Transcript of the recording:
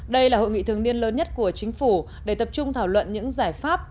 đây là hội nghị thường niên lớn nhất của chính phủ để tập trung thảo luận những giải pháp